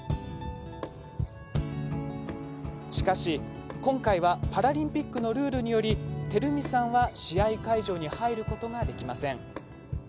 しかし、今回はパラリンピックのルールにより光美さんは試合会場に入ることができません。